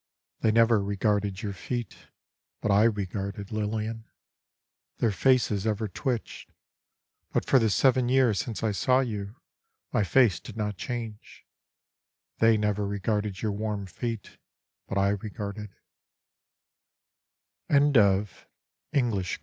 They never regarded your feet, But I regarded, Lilian. Their faces ever twitched. But for the seven years since I saw you My face did not change. They never regarded your warm feet, But I regarded.